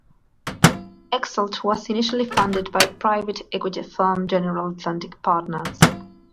Exult was initially funded by private-equity firm General Atlantic Partners.